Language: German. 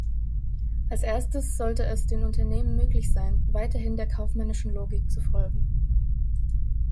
Als erstes sollte es den Unternehmen möglich sein, weiterhin der kaufmännischen Logik zu folgen.